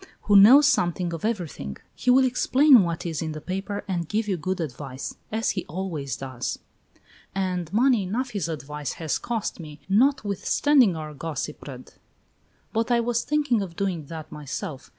who knows something of everything. He will explain what is in the paper and give you good advice, as he always does." "And money enough his advice has cost me, notwithstanding our gossipred! But I was thinking of doing that myself.